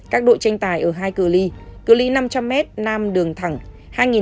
các đội tranh tài ở hai cơ ly cơ ly năm trăm linh m nam đường thẳng